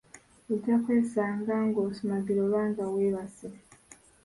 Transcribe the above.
Ojja kwesanga ng'osumagira oba nga weebaase.